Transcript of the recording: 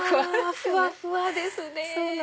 ふわふわですね！